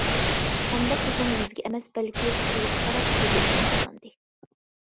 ئەمدى قىزنىڭ يۈزىگە ئەمەس، بەلكى پولغا قاراپ سۆزلەشكە چاغلاندى.